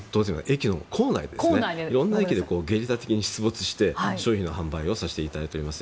駅の構内でいろんな駅でゲリラ的に出没して商品の販売をさせていただいております。